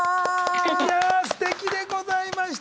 いやすてきでございました。